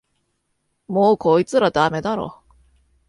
もうこいつらダメだろ